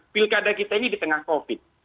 pilkada kita ini di tengah covid